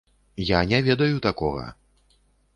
Я не ведаю такога!